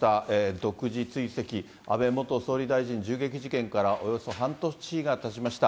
独自追跡、安倍元総理大臣銃撃事件からおよそ半年がたちました。